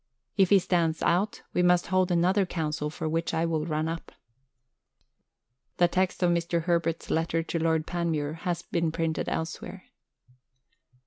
If he stands out, we must hold another Council for which I will run up." The text of Mr. Herbert's letter to Lord Panmure has been printed elsewhere.